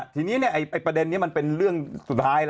ทีนี้ประเด็นนี้มันเป็นเรื่องสุดท้ายแล้ว